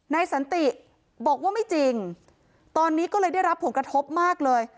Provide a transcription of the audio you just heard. สันติบอกว่าไม่จริงตอนนี้ก็เลยได้รับผลกระทบมากเลย